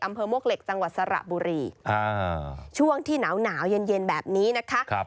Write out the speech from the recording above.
มวกเหล็กจังหวัดสระบุรีช่วงที่หนาวหนาวเย็นเย็นแบบนี้นะคะ